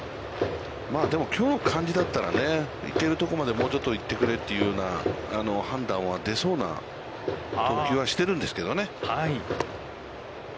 きょうの感じだったらね、いけるところまでもうちょっと行ってくれというような判断は出そうな投球はしてるんですけどね。